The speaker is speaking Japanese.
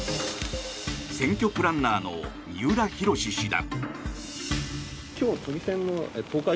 選挙プランナーの三浦博史氏だ。